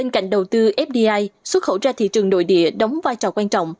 cạnh đầu tư fdi xuất khẩu ra thị trường nội địa đóng vai trò quan trọng